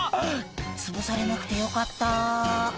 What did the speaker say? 「つぶされなくてよかった」